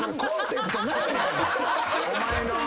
お前の！